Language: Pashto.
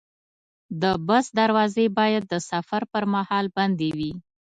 د بس دروازې باید د سفر پر مهال بندې وي.